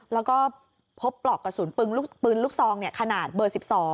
แล้วก็พบปลอกกระสุนปืนลูกซองขนาดเบอร์๑๒